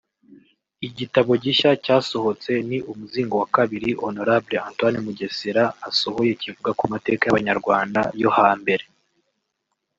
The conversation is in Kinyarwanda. Igitabo gishya cyasohotse ni umuzingo wa kabiri Honorable Antoine Mugesera asohoye kivuga ku mateka y’Abanyarwanda yo hambere